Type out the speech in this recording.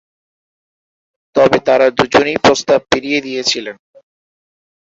তবে তারা দুজনেই প্রস্তাব ফিরিয়ে দিয়েছিলেন।